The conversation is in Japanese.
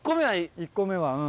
１個目はうん。